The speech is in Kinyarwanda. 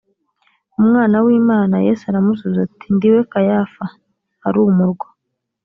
umwana w’imana yesu aramusubiza ati ndi we kayafa arumurwa